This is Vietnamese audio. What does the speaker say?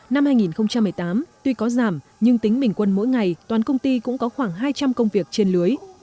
năm hai nghìn một mươi tám tuy có giảm nhưng tính bình quân mỗi ngày toàn công ty cũng có khoảng hai trăm linh công việc trên lưới